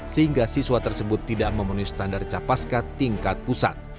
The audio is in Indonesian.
sehingga siswa tersebut tidak memenuhi standar capaska tingkat pusat